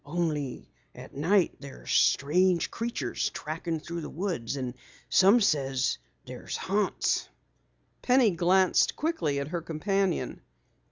Only at night there's strange creatures trackin' through the woods, and some says there's haunts " Penny glanced quickly at her companion.